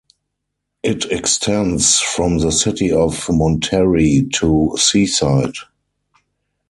It extends from the city of Monterey to Seaside.